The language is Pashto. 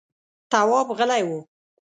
تواب غلی و…